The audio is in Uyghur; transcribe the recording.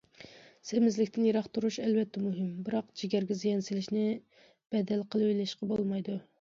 سېمىزلىكتىن يىراق تۇرۇش ئەلۋەتتە مۇھىم، بىراق جىگەرگە زىيان سېلىشنى بەدەل قىلىۋېلىشقا بولمايدۇ.